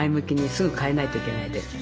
すぐ変えないといけないです。